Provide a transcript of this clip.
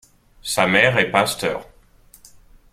Sa mère est pasteure.